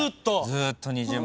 ずーっと２０万。